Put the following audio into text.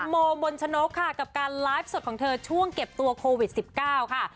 โมบนชนกค่ะกับการไลฟ์สดของเธอช่วงเก็บตัวโควิด๑๙ค่ะ